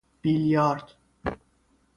بلیارد